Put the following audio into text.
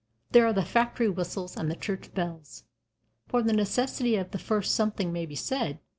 There are the factory whistles and the church bells. For the necessity of the first something may be said.